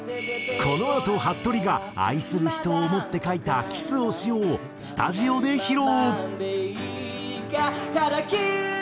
このあとはっとりが愛する人を想って書いた『キスをしよう』をスタジオで披露。